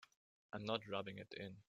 I'm not rubbing it in.